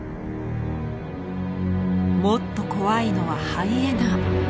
もっと怖いのはハイエナ。